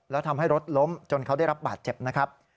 แล้วทำให้รถล้มจนเขาได้รับบาดเจ็บนะครับ